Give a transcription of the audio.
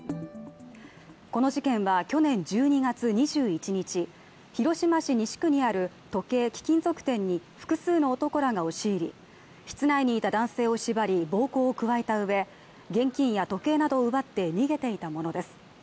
この事件は去年１２月２１日広島市西区にある時計貴金属店に複数の男らが押し入り、室内にいた男性を縛り暴行を加えたうえ、現金や時計などを奪って逃げていたものです。